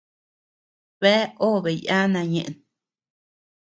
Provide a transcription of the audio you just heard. Bea obe yana ñeʼen.